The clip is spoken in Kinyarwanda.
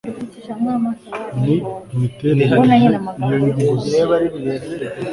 n imiterere y iyo nyungu ze